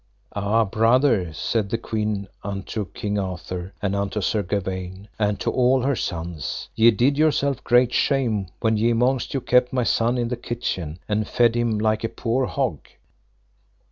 Ah, brother, said the Queen unto King Arthur, and unto Sir Gawaine, and to all her sons, ye did yourself great shame when ye amongst you kept my son in the kitchen and fed him like a poor hog.